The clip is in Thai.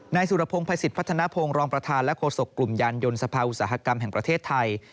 สุรพงศ์ภัยสิทธิพัฒนภงรองประธานและโฆษกกลุ่มยานยนต์สภาอุตสาหกรรมแห่งประเทศไทย